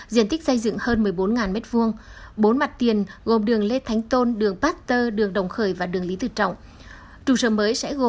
diện tích xây dựng hơn một mươi bốn m hai bốn mặt tiền gồm đường lê thánh tôn đường bát tơ đường đồng khởi và đường lý tự trọng